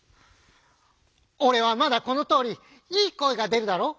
「俺はまだこのとおりいい声が出るだろ？